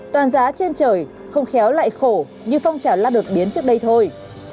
toàn giá trên trời không khéo lại khổ như phong trào la đột biến trước đây thôi